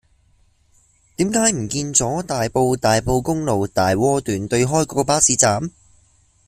點解唔見左大埔大埔公路大窩段對開嗰個巴士站